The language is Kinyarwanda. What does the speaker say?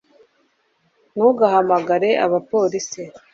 ntugahamagare abapolisi